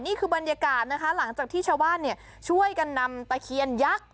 นี่คือบรรยากาศนะคะหลังจากที่ชาวบ้านเนี่ยช่วยกันนำตะเคียนยักษ์